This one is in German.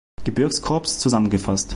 Gebirgskorps zusammengefasst.